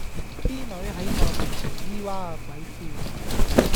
啲女喺我面前咿哇鬼叫